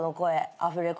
アフレコ？